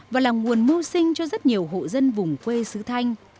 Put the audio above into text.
và là nguồn mưu sinh cho rất nhiều hộ dân vùng quê sứ thanh